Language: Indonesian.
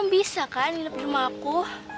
bisa kan hidup di rumah aku